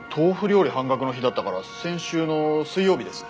半額の日だったから先週の水曜日です。